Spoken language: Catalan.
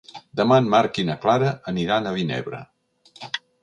Demà en Marc i na Clara aniran a Vinebre.